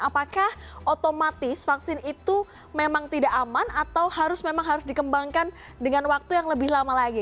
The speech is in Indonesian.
apakah otomatis vaksin itu memang tidak aman atau memang harus dikembangkan dengan waktu yang lebih lama lagi